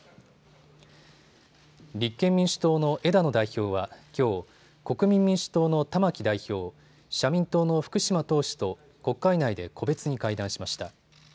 立憲民主党の枝野代表はきょう、国民民主党の玉木代表、社民党の福島党首と国会内で個別に会談しました。